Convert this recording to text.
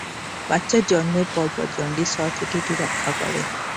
বাচ্চার জন্মের পরপর জন্ডিস হওয়া থেকে এটি রক্ষা করে।